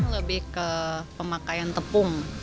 lebih ke pemakaian tepung